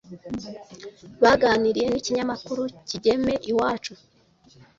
baganiriye n’ikinyamakuru Kigeme Iwacu